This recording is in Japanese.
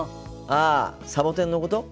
ああサボテンのこと？